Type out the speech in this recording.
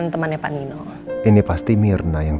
temen nih asal